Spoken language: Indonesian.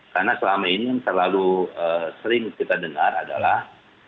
karena selama ini yang terlalu sering kita dengar adalah